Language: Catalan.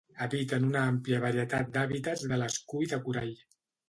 Habiten una àmplia varietat d'hàbitats de l'escull de corall.